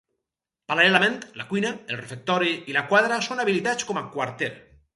Paral·lelament, la cuina, el refectori i la quadra són habilitats com a quarter.